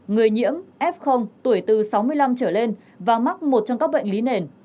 người nhiễm f tuổi từ sáu mươi năm trở lên và mắc một trong các bệnh lý nền